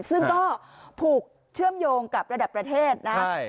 ซึ่งก็ผูกเชื่อมโยงกับระดับประเทศนะ